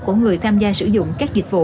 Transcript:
của người tham gia sử dụng các dịch vụ